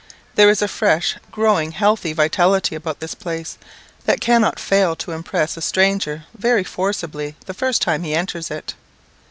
There is a fresh, growing, healthy vitality about this place, that cannot fail to impress a stranger very forcibly the first time he enters it.